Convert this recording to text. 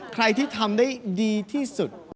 ใครที่ทำได้ดีที่สุด